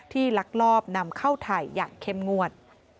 ลักลอบนำเข้าไทยอย่างเข้มงวด